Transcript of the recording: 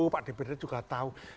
pak dprd juga tahu